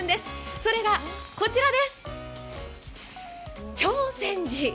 それがこちらです、長泉寺。